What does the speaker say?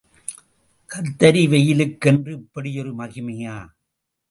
கத்தரி வெயிலுக்கென்று இப்படியொரு மகிமையா?